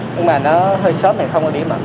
nhưng mà nó hơi sớm này không có điểm mạnh